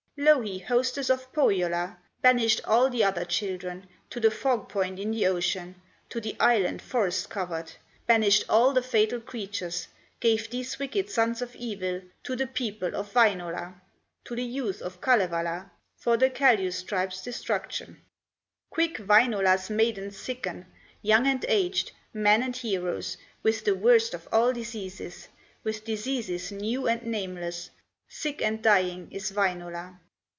Louhi, hostess of Pohyola, Banished all the other children To the fog point in the ocean, To the island forest covered; Banished all the fatal creatures, Gave these wicked sons of evil To the people of Wainola, To the youth of Kalevala, For the Kalew tribe's destruction. Quick Wainola's maidens sicken, Young and aged, men and heroes, With the worst of all diseases, With diseases new and nameless; Sick and dying is Wainola.